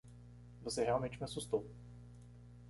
Você realmente me assustou.